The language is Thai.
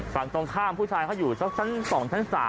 ฝั่งตรงข้ามผู้ชายเขาอยู่สักชั้น๒ชั้น๓